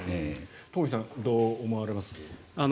トンフィさんどう思われます？